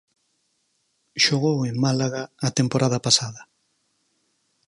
Xogou en Málaga a temporada pasada.